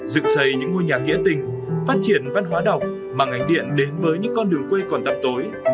dựng xây những ngôi nhà nghĩa tình phát triển văn hóa đọc mà ngành điện đến với những con đường quê còn tập tối